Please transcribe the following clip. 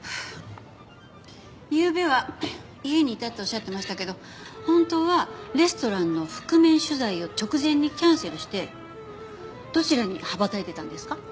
ゆうべは家にいたっておっしゃってましたけど本当はレストランの覆面取材を直前にキャンセルしてどちらに羽ばたいてたんですか？